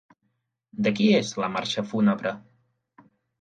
De qui és la marxa fúnebre?